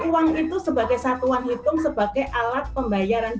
uang itu sebagai satu uang hitung sebagai alat pembayaran